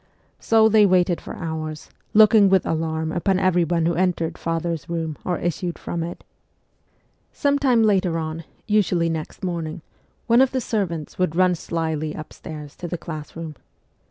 So they waited for hours, looking with alarm upon everyone who entered father's room or issued from it. Some time later on, usually next morning, one of the servants would run slyly upstairs to the class room.